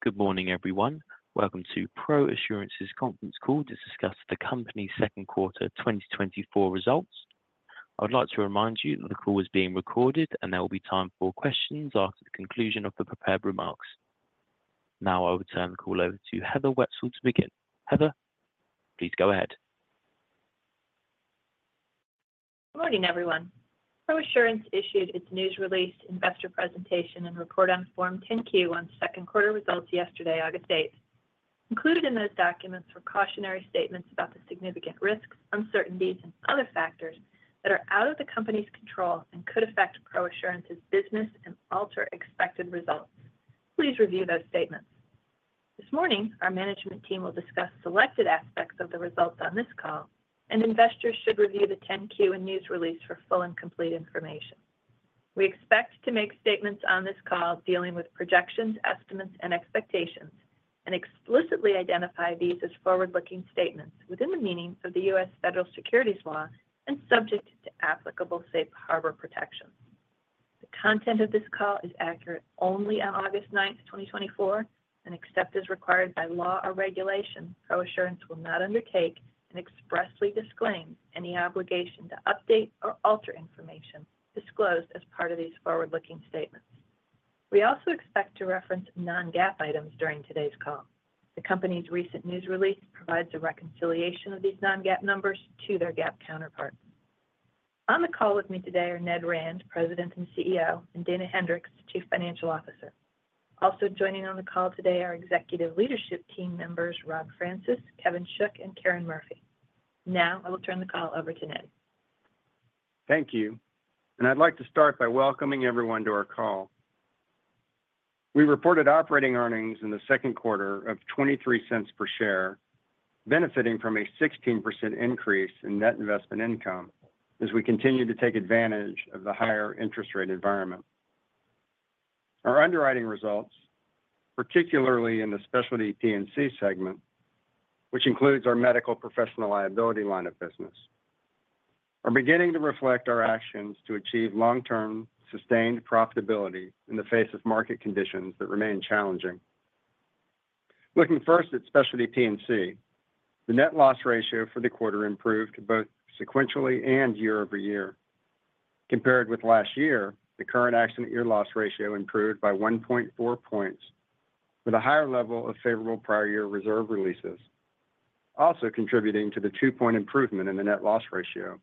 Good morning, everyone. Welcome to ProAssurance's conference call to discuss the company's second quarter 2024 results. I would like to remind you that the call is being recorded, and there will be time for questions after the conclusion of the prepared remarks. Now, I will turn the call over to Heather Wetzel to begin. Heather, please go ahead. Good morning, everyone. ProAssurance issued its news release, investor presentation, and report on Form 10-Q on second quarter results yesterday, August eighth. Included in those documents were cautionary statements about the significant risks, uncertainties, and other factors that are out of the company's control and could affect ProAssurance's business and alter expected results. Please review those statements. This morning, our management team will discuss selected aspects of the results on this call, and investors should review the 10-Q and news release for full and complete information. We expect to make statements on this call dealing with projections, estimates, and expectations, and explicitly identify these as forward-looking statements within the meaning of the U.S. Federal securities law and subject to applicable Safe Harbor protections. The content of this call is accurate only on August ninth, 2024, and except as required by law or regulation, ProAssurance will not undertake and expressly disclaims any obligation to update or alter information disclosed as part of these forward-looking statements. We also expect to reference non-GAAP items during today's call. The company's recent news release provides a reconciliation of these non-GAAP numbers to their GAAP counterparts. On the call with me today are Ned Rand, President and CEO, and Dana Hendricks, Chief Financial Officer. Also joining on the call today are executive leadership team members Rob Francis, Kevin Shook, and Karen Murphy. Now, I will turn the call over to Ned. Thank you. I'd like to start by welcoming everyone to our call. We reported operating earnings in the second quarter of 2023 of $0.23 per share, benefiting from a 16% increase in net investment income as we continue to take advantage of the higher interest rate environment. Our underwriting results, particularly in the Specialty P&C segment, which includes our medical professional liability line of business, are beginning to reflect our actions to achieve long-term, sustained profitability in the face of market conditions that remain challenging. Looking first at Specialty P&C, the net loss ratio for the quarter improved both sequentially and year-over-year. Compared with last year, the current accident year loss ratio improved by 1.4 points, with a higher level of favorable prior year reserve releases also contributing to the 2-point improvement in the net loss ratio.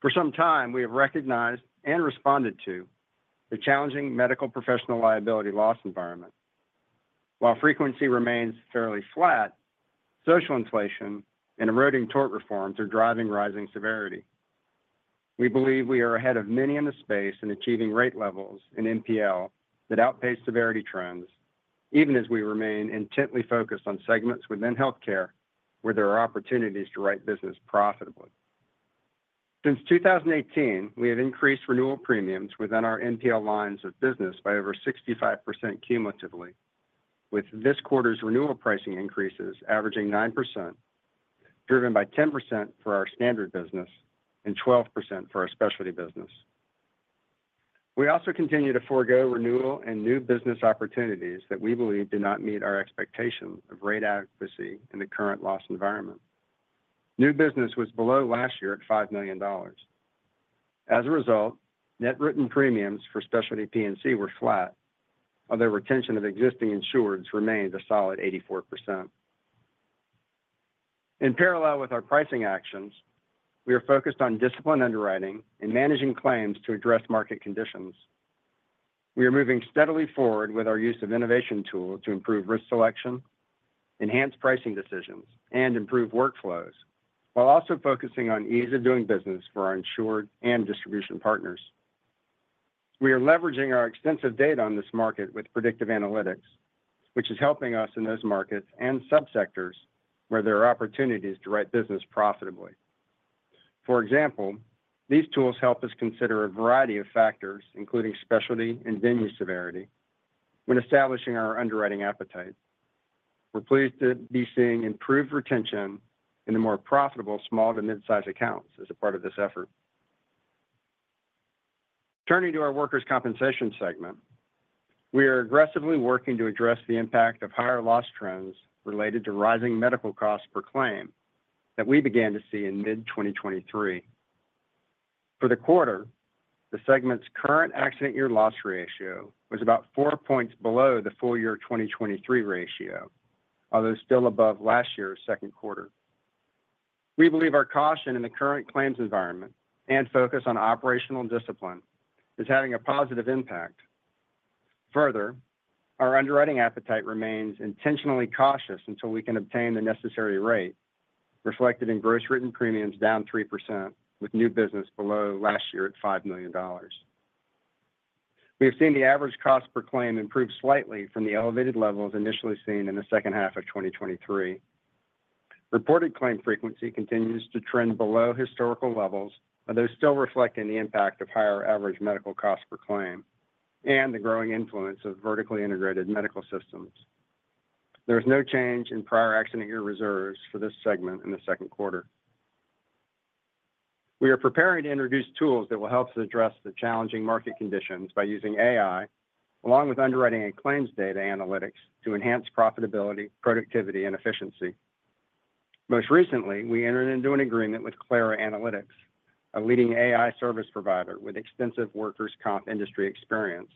For some time, we have recognized and responded to the challenging medical professional liability loss environment. While frequency remains fairly flat, social inflation and eroding tort reforms are driving rising severity. We believe we are ahead of many in the space in achieving rate levels in MPL that outpace severity trends, even as we remain intently focused on segments within healthcare, where there are opportunities to write business profitably. Since 2018, we have increased renewal premiums within our MPL lines of business by over 65% cumulatively, with this quarter's renewal pricing increases averaging 9%, driven by 10% for our standard business and 12% for our specialty business. We also continue to forgo renewal and new business opportunities that we believe do not meet our expectations of rate adequacy in the current loss environment. New business was below last year at $5 million. As a result, net written premiums for Specialty P&C were flat, although retention of existing insureds remained a solid 84%. In parallel with our pricing actions, we are focused on disciplined underwriting and managing claims to address market conditions. We are moving steadily forward with our use of innovation tools to improve risk selection, enhance pricing decisions, and improve workflows, while also focusing on ease of doing business for our insured and distribution partners. We are leveraging our extensive data on this market with predictive analytics, which is helping us in those markets and subsectors where there are opportunities to write business profitably. For example, these tools help us consider a variety of factors, including specialty and venue severity, when establishing our underwriting appetite. We're pleased to be seeing improved retention in the more profitable small to mid-size accounts as a part of this effort. Turning to our workers' compensation segment, we are aggressively working to address the impact of higher loss trends related to rising medical costs per claim that we began to see in mid-2023. For the quarter, the segment's current accident year loss ratio was about 4 points below the full year 2023 ratio, although still above last year's second quarter. We believe our caution in the current claims environment and focus on operational discipline is having a positive impact. Further, our underwriting appetite remains intentionally cautious until we can obtain the necessary rate, reflected in gross written premiums down 3%, with new business below last year at $5 million. We have seen the average cost per claim improve slightly from the elevated levels initially seen in the second half of 2023. Reported claim frequency continues to trend below historical levels, although still reflecting the impact of higher average medical costs per claim and the growing influence of vertically integrated medical systems. There is no change in prior accident year reserves for this segment in the second quarter. We are preparing to introduce tools that will help to address the challenging market conditions by using AI, along with underwriting and claims data analytics, to enhance profitability, productivity, and efficiency. Most recently, we entered into an agreement with CLARA Analytics, a leading AI service provider with extensive workers' comp industry experience,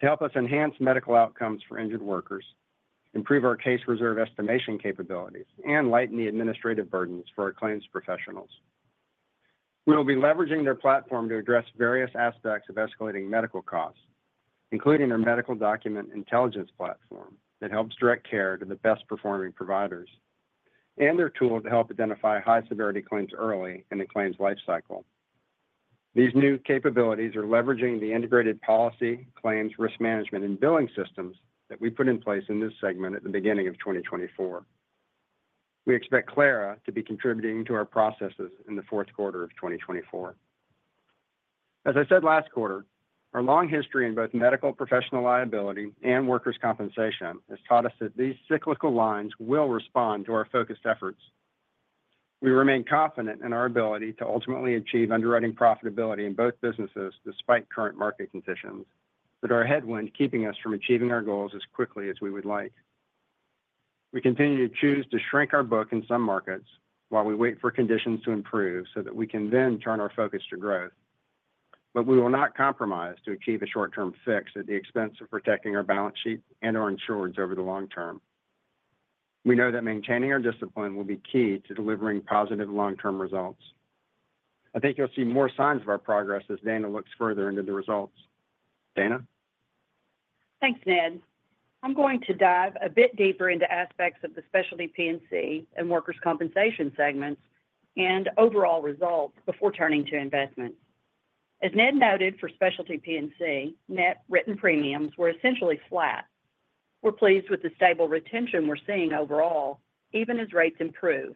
to help us enhance medical outcomes for injured workers, improve our case reserve estimation capabilities, and lighten the administrative burdens for our claims professionals. We will be leveraging their platform to address various aspects of escalating medical costs, including their medical document intelligence platform that helps direct care to the best-performing providers, and their tool to help identify high-severity claims early in the claims lifecycle. These new capabilities are leveraging the integrated policy, claims, risk management, and billing systems that we put in place in this segment at the beginning of 2024. We expect CLARA to be contributing to our processes in the fourth quarter of 2024. As I said last quarter, our long history in both medical professional liability and workers' compensation has taught us that these cyclical lines will respond to our focused efforts. We remain confident in our ability to ultimately achieve underwriting profitability in both businesses, despite current market conditions, that are a headwind, keeping us from achieving our goals as quickly as we would like. We continue to choose to shrink our book in some markets while we wait for conditions to improve, so that we can then turn our focus to growth. But we will not compromise to achieve a short-term fix at the expense of protecting our balance sheet and our insureds over the long term. We know that maintaining our discipline will be key to delivering positive long-term results. I think you'll see more signs of our progress as Dana looks further into the results. Dana? Thanks, Ned. I'm going to dive a bit deeper into aspects of the Specialty P&C and Workers' Compensation segments and overall results before turning to investments. As Ned noted, for Specialty P&C, net written premiums were essentially flat. We're pleased with the stable retention we're seeing overall, even as rates improve.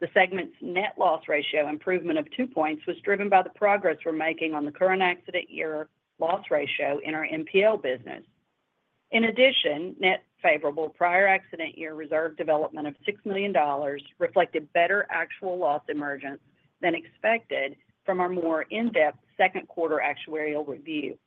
The segment's net loss ratio improvement of 2 points was driven by the progress we're making on the current accident year loss ratio in our MPL business. In addition, net favorable prior accident year reserve development of $6 million reflected better actual loss emergence than expected from our more in-depth second quarter actuarial review.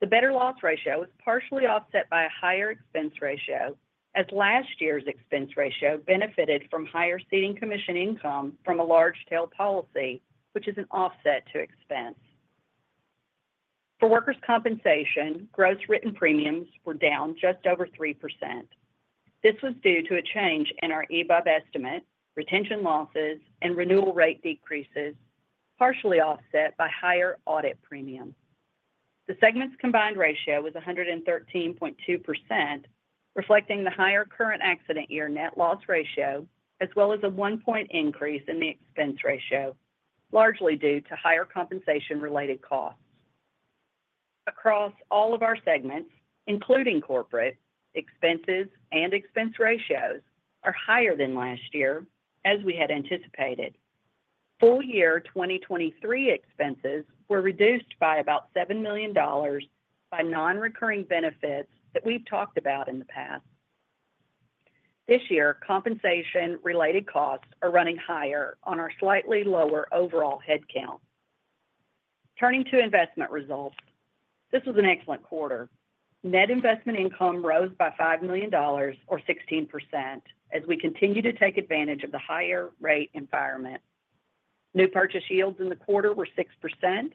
The better loss ratio was partially offset by a higher expense ratio, as last year's expense ratio benefited from higher ceding commission income from a large tail policy, which is an offset to expense. For workers' compensation, gross written premiums were down just over 3%. This was due to a change in our EBUB estimate, retention losses, and renewal rate decreases, partially offset by higher audit premiums. The segment's combined ratio was 113.2%, reflecting the higher current accident year net loss ratio, as well as a 1-point increase in the expense ratio, largely due to higher compensation-related costs. Across all of our segments, including corporate, expenses and expense ratios are higher than last year, as we had anticipated. Full year 2023 expenses were reduced by about $7 million by non-recurring benefits that we've talked about in the past. This year, compensation-related costs are running higher on our slightly lower overall headcount. Turning to investment results, this was an excellent quarter. Net investment income rose by $5 million or 16%, as we continue to take advantage of the higher rate environment. New purchase yields in the quarter were 6%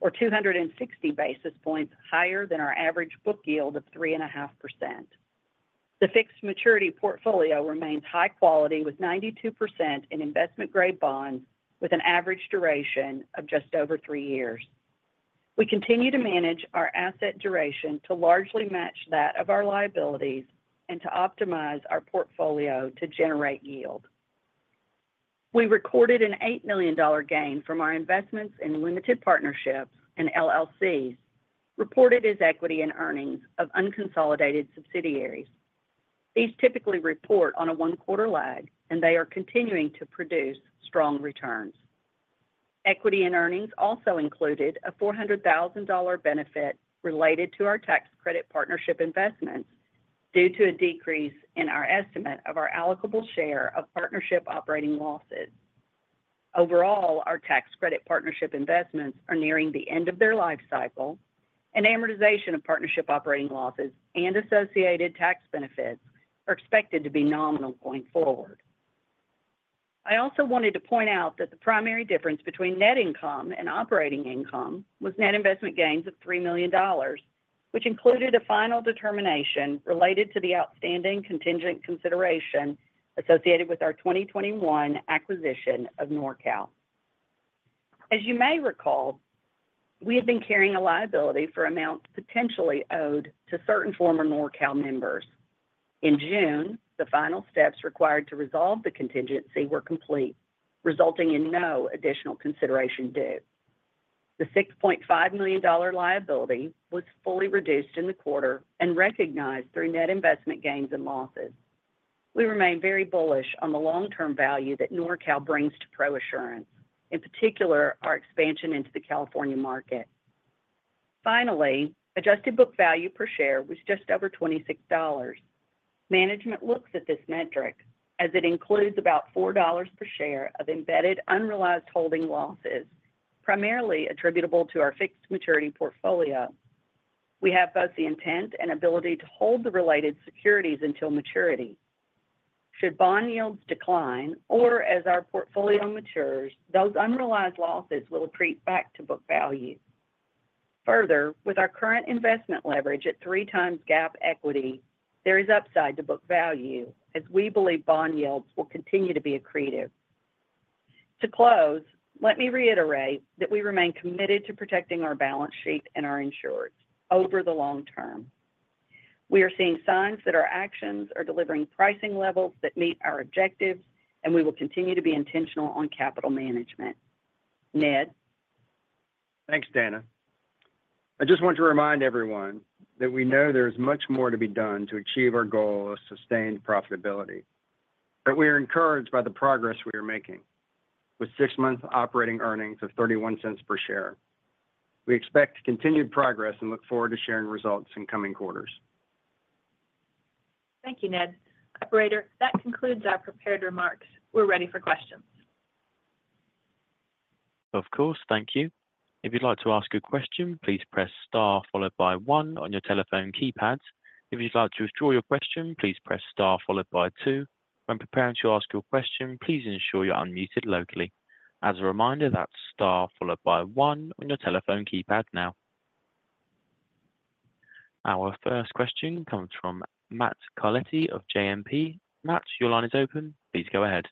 or 260 basis points higher than our average book yield of 3.5%. The fixed maturity portfolio remains high quality, with 92% in investment-grade bonds, with an average duration of just over 3 years. We continue to manage our asset duration to largely match that of our liabilities and to optimize our portfolio to generate yield. We recorded an $8 million gain from our investments in limited partnerships and LLCs, reported as equity in earnings of unconsolidated subsidiaries. These typically report on a 1-quarter lag, and they are continuing to produce strong returns. Equity and earnings also included a $400,000 benefit related to our tax credit partnership investments, due to a decrease in our estimate of our allocable share of partnership operating losses. Overall, our tax credit partnership investments are nearing the end of their lifecycle, and amortization of partnership operating losses and associated tax benefits are expected to be nominal going forward. I also wanted to point out that the primary difference between net income and operating income was net investment gains of $3 million, which included a final determination related to the outstanding contingent consideration associated with our 2021 acquisition of NORCAL. As you may recall, we have been carrying a liability for amounts potentially owed to certain former NorCal members. In June, the final steps required to resolve the contingency were complete, resulting in no additional consideration due. The $6.5 million liability was fully reduced in the quarter and recognized through net investment gains and losses. We remain very bullish on the long-term value that NorCal brings to ProAssurance, in particular, our expansion into the California market.... Finally, adjusted book value per share was just over $26. Management looks at this metric as it includes about $4 per share of embedded unrealized holding losses, primarily attributable to our fixed maturity portfolio. We have both the intent and ability to hold the related securities until maturity. Should bond yields decline or as our portfolio matures, those unrealized losses will accrete back to book value. Further, with our current investment leverage at 3x GAAP equity, there is upside to book value, as we believe bond yields will continue to be accretive. To close, let me reiterate that we remain committed to protecting our balance sheet and our insureds over the long term. We are seeing signs that our actions are delivering pricing levels that meet our objectives, and we will continue to be intentional on capital management. Ned? Thanks, Dana. I just want to remind everyone that we know there is much more to be done to achieve our goal of sustained profitability. But we are encouraged by the progress we are making, with six months operating earnings of $0.31 per share. We expect continued progress and look forward to sharing results in coming quarters. Thank you, Ned. Operator, that concludes our prepared remarks. We're ready for questions. Of course. Thank you. If you'd like to ask a question, please press star followed by one on your telephone keypad. If you'd like to withdraw your question, please press star followed by two. When preparing to ask your question, please ensure you're unmuted locally. As a reminder, that's star followed by one on your telephone keypad now. Our first question comes from Matt Carletti of JMP. Matt, your line is open. Please go ahead.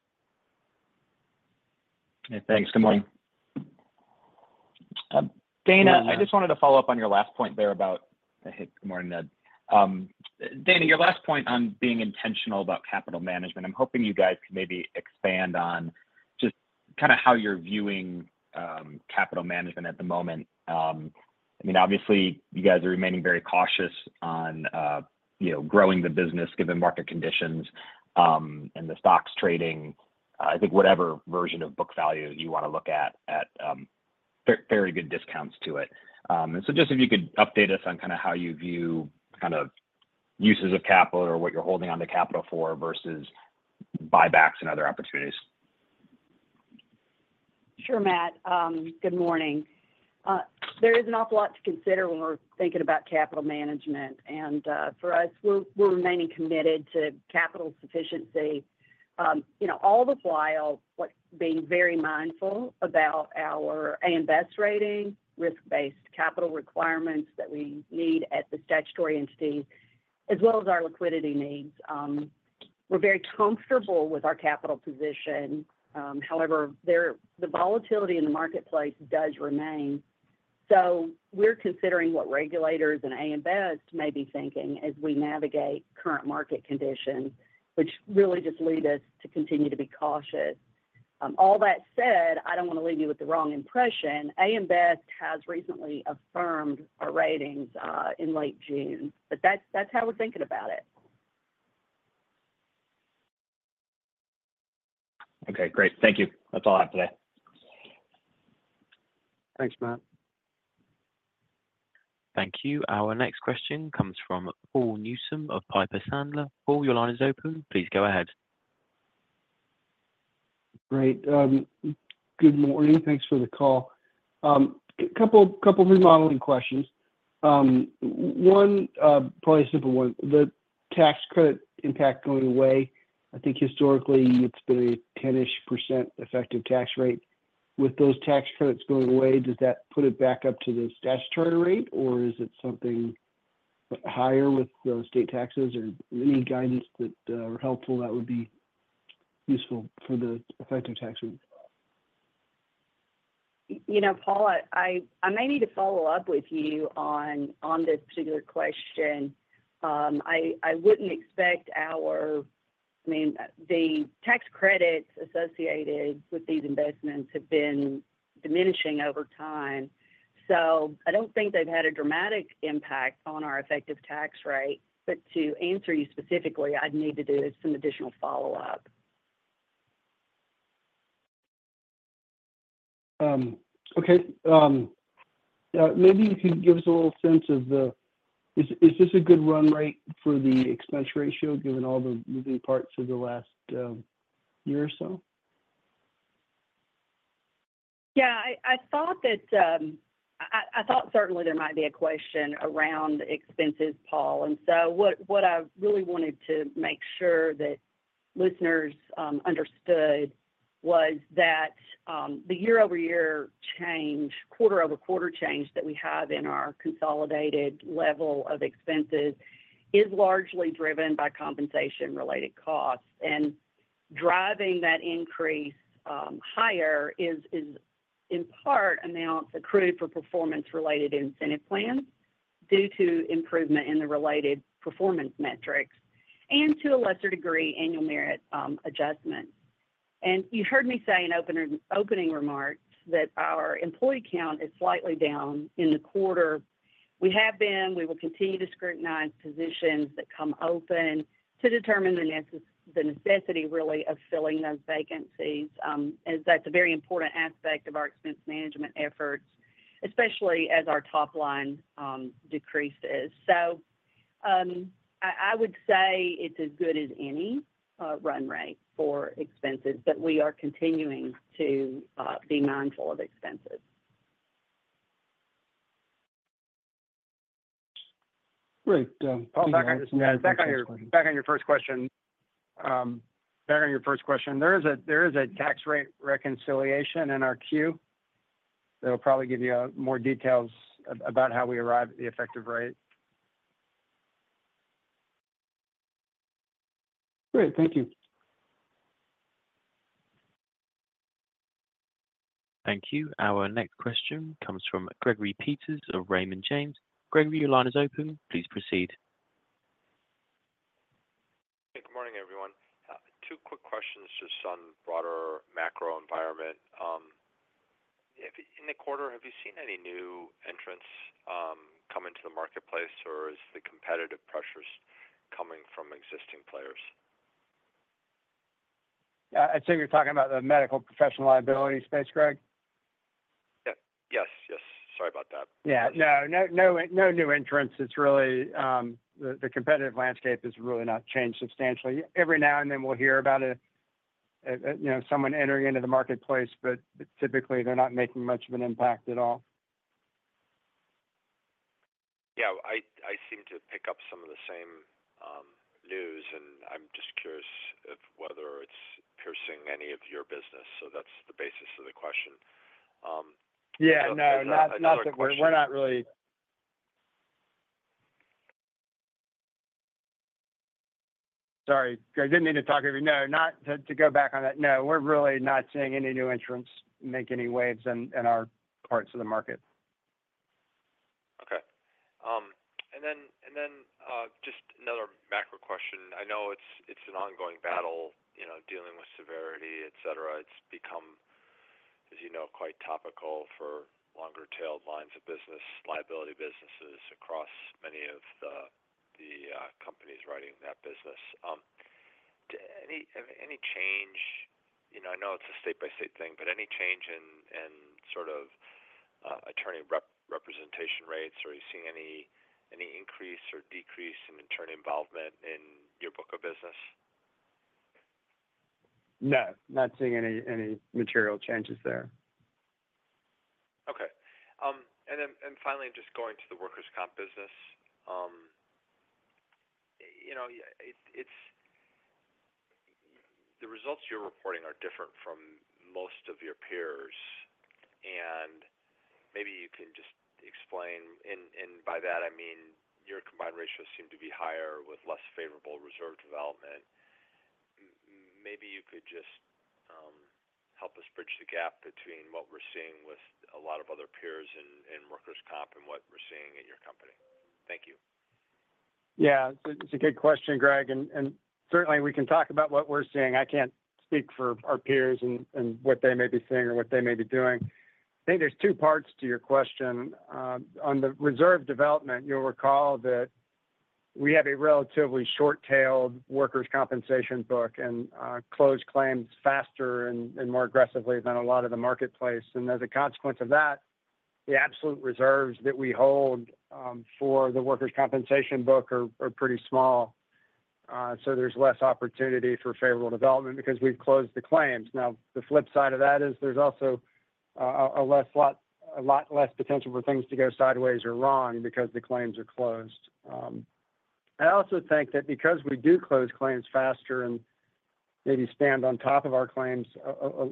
Hey, thanks. Good morning. Dana, I just wanted to follow up on your last point there. Hey, good morning, Ned. Dana, your last point on being intentional about capital management, I'm hoping you guys could maybe expand on just kind of how you're viewing capital management at the moment. I mean, obviously, you guys are remaining very cautious on, you know, growing the business given market conditions, and the stocks trading, I think whatever version of book value you want to look at, at very good discounts to it. And so just if you could update us on kind of how you view kind of uses of capital or what you're holding on to capital for versus buybacks and other opportunities. Sure, Matt. Good morning. There is an awful lot to consider when we're thinking about capital management, and, for us, we're remaining committed to capital sufficiency. You know, all the while, being very mindful about our AM Best rating, risk-based capital requirements that we need at the statutory entity, as well as our liquidity needs. We're very comfortable with our capital position. However, the volatility in the marketplace does remain, so we're considering what regulators and AM Best may be thinking as we navigate current market conditions, which really just lead us to continue to be cautious. All that said, I don't want to leave you with the wrong impression. AM Best has recently affirmed our ratings in late June, but that's how we're thinking about it. Okay, great. Thank you. That's all I have today. Thanks, Matt. Thank you. Our next question comes from Paul Newsome of Piper Sandler. Paul, your line is open. Please go ahead. Great. Good morning. Thanks for the call. A couple of modeling questions. One, probably a simple one, the tax credit impact going away, I think historically it's been a 10%-ish effective tax rate. With those tax credits going away, does that put it back up to the statutory rate, or is it something higher with the state taxes? Or any guidance that are helpful, that would be useful for the effective tax rate? You know, Paul, I may need to follow up with you on this particular question. I wouldn't expect our... I mean, the tax credits associated with these investments have been diminishing over time, so I don't think they've had a dramatic impact on our effective tax rate. But to answer you specifically, I'd need to do some additional follow-up. Okay. Maybe you could give us a little sense of the is this a good run rate for the expense ratio, given all the moving parts of the last year or so? Yeah, I thought that certainly there might be a question around expenses, Paul. And so what I really wanted to make sure that listeners understood was that the year-over-year change, quarter-over-quarter change that we have in our consolidated level of expenses is largely driven by compensation-related costs. And driving that increase higher is in part amounts accrued for performance-related incentive plans due to improvement in the related performance metrics and to a lesser degree, annual merit adjustment. And you heard me say in opening remarks that our employee count is slightly down in the quarter. We have been, we will continue to scrutinize positions that come open to determine the necessity, really, of filling those vacancies. As that's a very important aspect of our expense management efforts, especially as our top line decreases. So-... I would say it's as good as any run rate for expenses, but we are continuing to be mindful of expenses. Great, uh- Paul, back on your first question, there is a tax rate reconciliation in our queue that'll probably give you more details about how we arrived at the effective rate. Great. Thank you. Thank you. Our next question comes from Gregory Peters of Raymond James. Gregory, your line is open. Please proceed. Hey, good morning, everyone. Two quick questions just on broader macro environment. In the quarter, have you seen any new entrants come into the marketplace, or is the competitive pressures coming from existing players? I assume you're talking about the Medical Professional Liability space, Greg? Yep. Yes, yes, sorry about that. Yeah. No, no, no, no new entrants. It's really the competitive landscape has really not changed substantially. Every now and then we'll hear about a you know, someone entering into the marketplace, but typically they're not making much of an impact at all. Yeah, I seem to pick up some of the same news, and I'm just curious if whether it's piercing any of your business. So that's the basis of the question. Yeah, no, not— Another question- ...not that we're not really... Sorry, Greg, didn't mean to talk over you. No, not to go back on that. No, we're really not seeing any new entrants make any waves in our parts of the market. Okay. And then, just another macro question. I know it's an ongoing battle, you know, dealing with severity, et cetera. It's become, as you know, quite topical for longer tailed lines of business, liability businesses across many of the companies writing that business. Any change... You know, I know it's a state-by-state thing, but any change in sort of attorney representation rates? Or are you seeing any increase or decrease in attorney involvement in your book of business? No, not seeing any material changes there. Okay. And then, and finally, just going to the workers' comp business, you know, the results you're reporting are different from most of your peers, and maybe you can just explain. And by that I mean your combined ratios seem to be higher with less favorable reserve development. Maybe you could just help us bridge the gap between what we're seeing with a lot of other peers in workers' comp and what we're seeing in your company. Thank you. Yeah, it's a good question, Greg, and certainly we can talk about what we're seeing. I can't speak for our peers and what they may be seeing or what they may be doing. I think there's two parts to your question. On the reserve development, you'll recall that we have a relatively short-tailed workers' compensation book, and close claims faster and more aggressively than a lot of the marketplace. And as a consequence of that, the absolute reserves that we hold for the workers' compensation book are pretty small. So there's less opportunity for favorable development because we've closed the claims. Now, the flip side of that is there's also a lot less potential for things to go sideways or wrong because the claims are closed. I also think that because we do close claims faster and maybe stand on top of our claims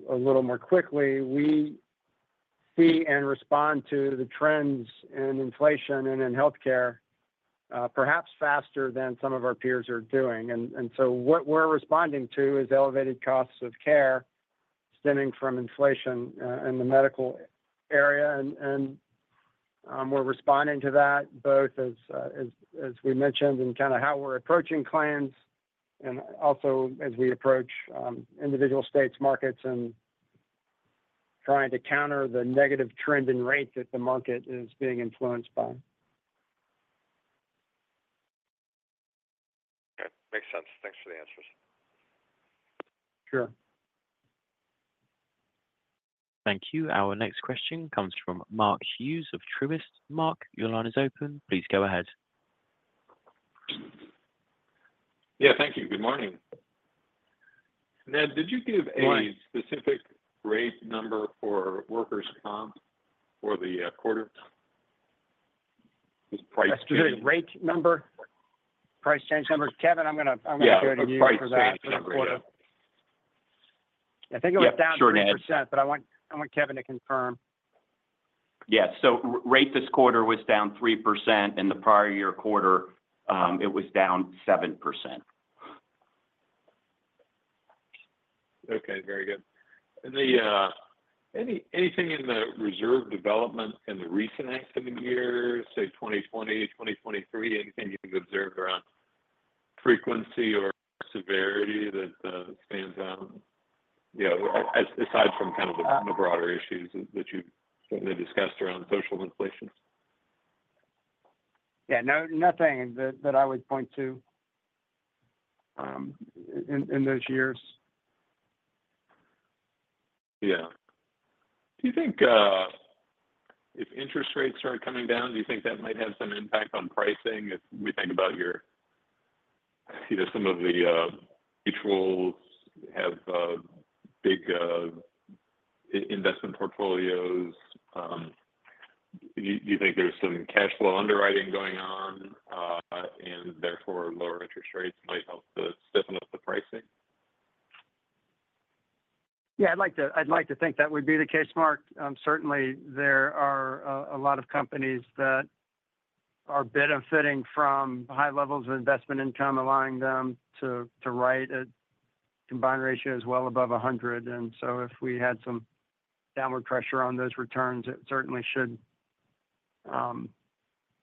a little more quickly, we see and respond to the trends in inflation and in healthcare, perhaps faster than some of our peers are doing. And so what we're responding to is elevated costs of care stemming from inflation in the medical area. And we're responding to that both as we mentioned, in kind of how we're approaching claims and also as we approach individual states' markets and trying to counter the negative trend in rates that the market is being influenced by. Okay. Makes sense. Thanks for the answers. Sure. Thank you. Our next question comes from Mark Hughes of Truist. Mark, your line is open. Please go ahead. Yeah, thank you. Good morning. Ned, did you give a- Morning... specific rate number for workers' comp for the quarter? Just price- A specific rate number? Price change number. Kevin, I'm gonna, I'm gonna- Yeah... go to you for that- Price change number, yeah.... I think it was down 3%- Yep, sure, Ned... but I want Kevin to confirm. Yeah, so retention rate this quarter was down 3%, and the prior-year quarter, it was down 7%. Okay, very good. And anything in the reserve development in the recent accident years, say, 2020, 2023? Anything you've observed around frequency or severity that stands out? You know, aside from kind of the broader issues that you've certainly discussed around social inflation. Yeah, no, nothing that I would point to in those years.... Yeah. Do you think if interest rates start coming down, do you think that might have some impact on pricing? If we think about your, you know, some of the mutuals have big investment portfolios. Do you think there's some cash flow underwriting going on, and therefore lower interest rates might help to stiffen up the pricing? Yeah, I'd like to-- I'd like to think that would be the case, Mark. Certainly there are a lot of companies that are benefiting from high levels of investment income, allowing them to write at combined ratios well above 100. And so if we had some downward pressure on those returns, it certainly should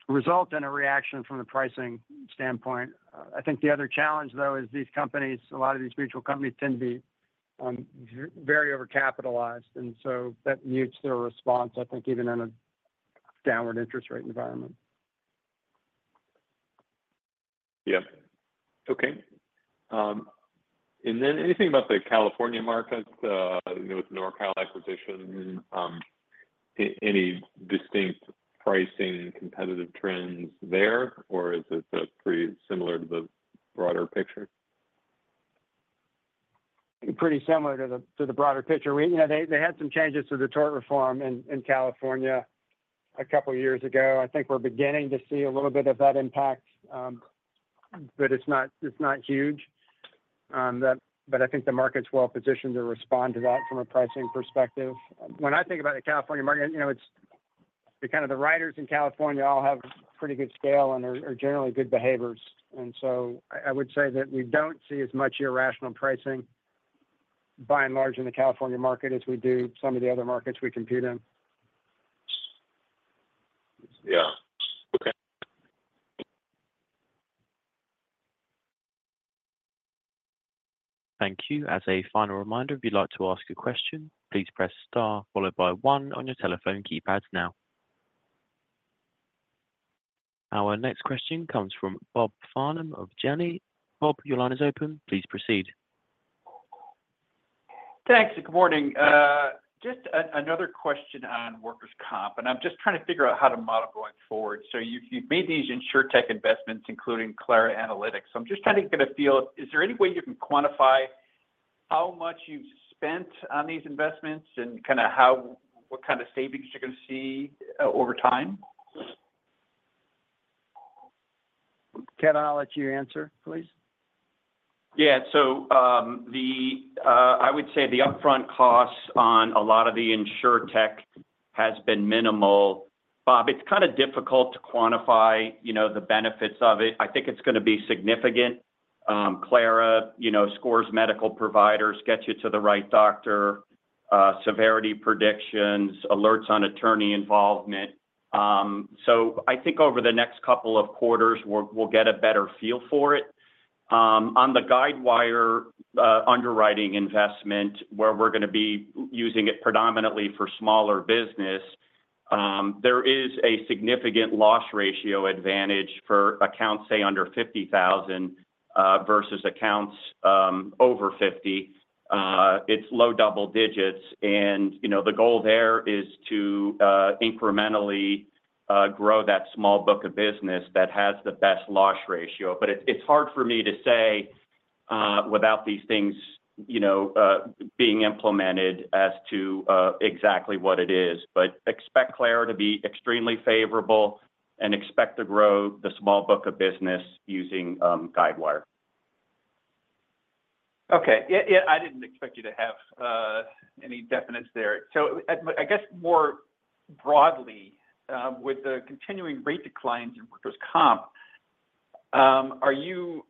result in a reaction from the pricing standpoint. I think the other challenge, though, is these companies, a lot of these mutual companies tend to be very overcapitalized, and so that mutes their response, I think, even in a downward interest rate environment. Yeah. Okay. And then anything about the California markets, you know, with NorCal acquisition, any distinct pricing competitive trends there, or is it pretty similar to the broader picture? Pretty similar to the broader picture. We, you know, they had some changes to the tort reform in California a couple years ago. I think we're beginning to see a little bit of that impact. But it's not huge. But I think the market's well positioned to respond to that from a pricing perspective. When I think about the California market, you know, it's kind of the writers in California all have pretty good scale and are generally good behaviors. And so I would say that we don't see as much irrational pricing, by and large, in the California market as we do some of the other markets we compete in. Yeah. Okay. Thank you. As a final reminder, if you'd like to ask a question, please press star followed by one on your telephone keypads now. Our next question comes from Bob Farnam of Janney. Bob, your line is open. Please proceed. Thanks, and good morning. Just another question on workers' comp, and I'm just trying to figure out how to model going forward. So you've made these insurtech investments, including CLARA Analytics. So I'm just trying to get a feel, is there any way you can quantify how much you've spent on these investments and kind of what kind of savings you're going to see over time? Kevin, I'll let you answer, please. Yeah. So, the upfront costs on a lot of the insurtech has been minimal. Bob, it's kind of difficult to quantify, you know, the benefits of it. I think it's going to be significant. CLARA, you know, scores medical providers, gets you to the right doctor, severity predictions, alerts on attorney involvement. So I think over the next couple of quarters, we'll get a better feel for it. On the Guidewire, underwriting investment, where we're going to be using it predominantly for smaller business, there is a significant loss ratio advantage for accounts, say, under 50,000, versus accounts, over 50. It's low double digits, and, you know, the goal there is to, incrementally, grow that small book of business that has the best loss ratio. But it's hard for me to say without these things, you know, being implemented as to exactly what it is. But expect CLARA to be extremely favorable and expect to grow the small book of business using Guidewire. Okay. Yeah, yeah, I didn't expect you to have any definites there. So I guess more broadly, with the continuing rate declines in workers' comp, are you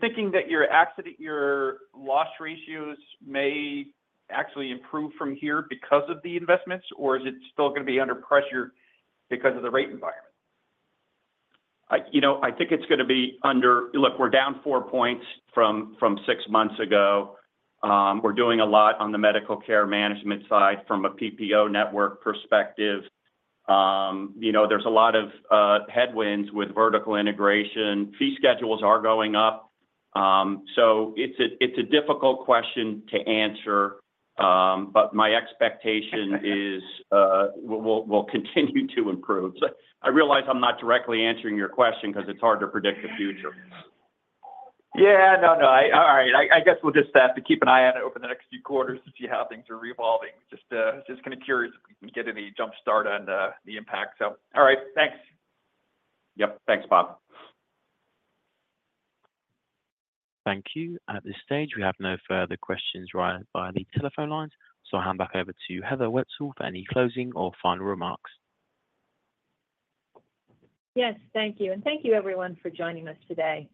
thinking that your accident year loss ratios may actually improve from here because of the investments, or is it still going to be under pressure because of the rate environment? You know, I think it's going to be under. Look, we're down 4 points from six months ago. We're doing a lot on the medical care management side from a PPO network perspective. You know, there's a lot of headwinds with vertical integration. Fee schedules are going up. So it's a difficult question to answer, but my expectation is, we'll continue to improve. So I realize I'm not directly answering your question 'cause it's hard to predict the future. Yeah. No, no. All right. I guess we'll just have to keep an eye on it over the next few quarters to see how things are evolving. Just, just kind of curious if we can get any jump start on the impact. So all right, thanks. Yep. Thanks, Bob. Thank you. At this stage, we have no further questions right by the telephone lines, so I'll hand back over to Heather Wetzel for any closing or final remarks. Yes, thank you, and thank you, everyone, for joining us today.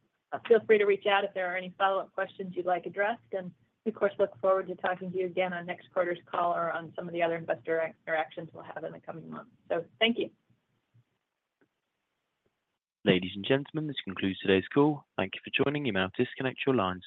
Feel free to reach out if there are any follow-up questions you'd like addressed, and we, of course, look forward to talking to you again on next quarter's call or on some of the other investor interactions we'll have in the coming months. So thank you. Ladies and gentlemen, this concludes today's call. Thank you for joining. You may now disconnect your lines.